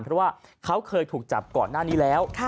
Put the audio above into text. เพราะว่าเขาเคยถูกจับก่อนหน้านี้แล้ว